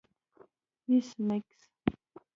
ایس میکس